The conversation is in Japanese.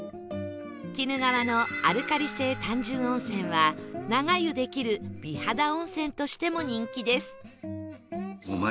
鬼怒川のアルカリ性単純温泉は長湯できる美肌温泉としても人気です